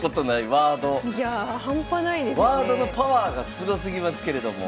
ワードのパワーがすごすぎますけれども。